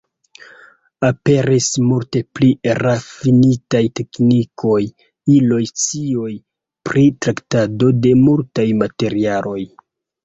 Aperis multe pli rafinitaj teknikoj, iloj, scioj pri traktado de multaj materialoj.